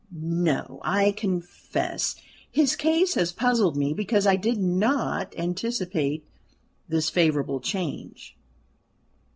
No I confess his case has puzzled me because I did not anticipate this favourable change.